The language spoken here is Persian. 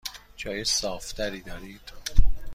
جای صاف تری دارید؟